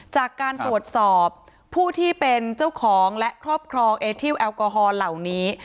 จากการตรวจสอบผู้ที่เป็นเจ้าของและครอบครองเอทิลแอลกอฮอล์เหล่านี้